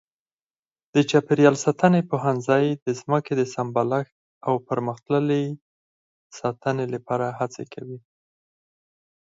د چاپېریال ساتنې پوهنځی د ځمکې د سمبالښت او پرمختللې ساتنې لپاره هڅې کوي.